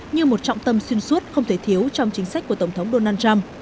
như một trọng tâm xuyên suốt không thể thiếu trong chính sách của tổng thống donald trump